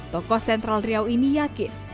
tokoh sentral riau ini yakin